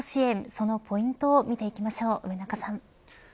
そのポイントを見ていきましょう上中さん。